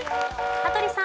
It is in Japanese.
羽鳥さん